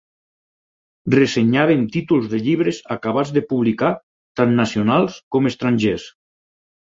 Ressenyaven títols de llibres acabats de publicar tant nacionals com estrangers.